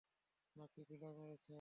নাকি বিলা মেরেছো?